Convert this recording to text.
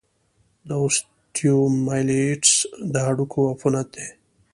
د اوسټیومایلايټس د هډوکو عفونت دی.